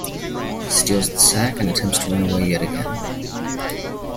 She steals the sack, and attempts to run away yet again.